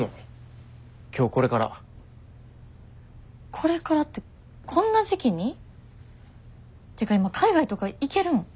これからってこんな時期に？ってか今海外とか行けるん？